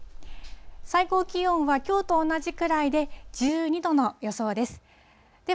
最高気温はきょうと同じくらいで、１２度の予想です。